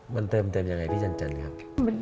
มันเติมเต็มยังไงพี่จันครับ